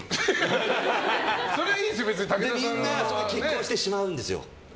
みんな結婚してしまうんですよ。